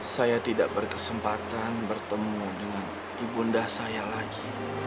saya tidak berkesempatan bertemu dengan ibu undah saya lagi